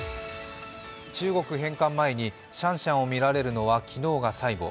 中国返還前にシャンシャンを見られるのは昨日が最後。